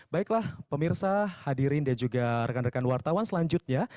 baiklah pemirsa hadirin dan juga rekan rekan wartawan selanjutnya